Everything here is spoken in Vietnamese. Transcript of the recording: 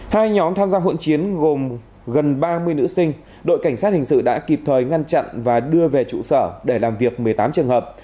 hai nhóm tham gia hỗn chiến gồm gần ba mươi nữ sinh đội cảnh sát hình sự đã kịp thời ngăn chặn và đưa về trụ sở để làm việc một mươi tám trường hợp